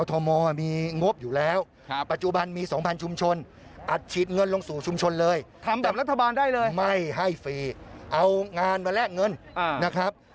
ทำแบบรัฐบาลได้เลยไม่ให้ฟรีเอางานมาแลกเงินนะครับ